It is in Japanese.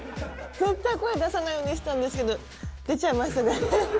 絶対声出さないようにしてたんですけど、出ちゃいましたね。